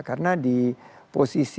karena di posisi